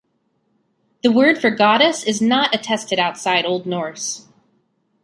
The word for "goddess" is not attested outside Old Norse.